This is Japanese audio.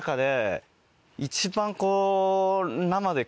一番こう。